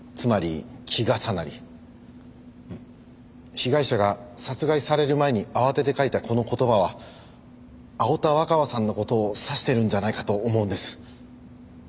被害者が殺害される前に慌てて書いたこの言葉は青田若葉さんの事を指してるんじゃないかと思うんです。